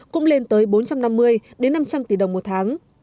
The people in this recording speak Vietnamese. cũng lên tới bốn trăm năm mươi năm trăm linh tỷ đồng một tháng